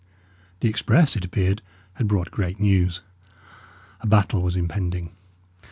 The express, it appeared, had brought great news. A battle was impending.